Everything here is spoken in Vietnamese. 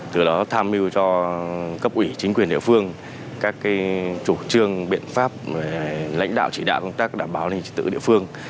từ đó tham mưu cho cấp ủy chính quyền địa phương các chủ trương biện pháp lãnh đạo chỉ đạo công tác đảm bảo an ninh trật tự địa phương